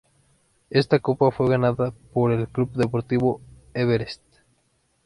Esta copa fue ganada por el Club Deportivo Everest.